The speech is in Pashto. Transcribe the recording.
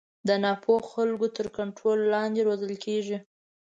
د نا پوه خلکو تر کنټرول لاندې روزل کېږي.